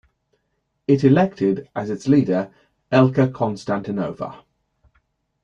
It elected as its leader Elka Konstantinova.